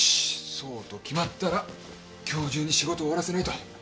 そうと決まったら今日中に仕事終わらせないと。